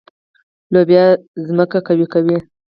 لوبیا ځمکه قوي کوي.